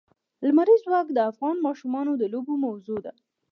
لمریز ځواک د افغان ماشومانو د لوبو موضوع ده.